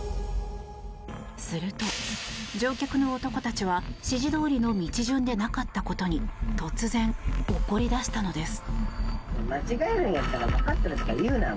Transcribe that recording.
すると乗客の男たちは指示どおりの道順でなかったことに突然、怒り出したのです。